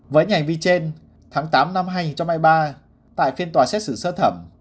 với hành vi trên tháng tám năm hai nghìn hai mươi ba tại phiên tòa xét xử sơ thẩm